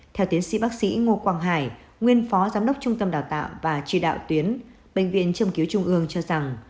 theo tiến sĩ bác sĩ ngô quang hải nguyên phó giám đốc trung tâm đào tạo và chỉ đạo tuyến bệnh viện châm cứu trung ương cho rằng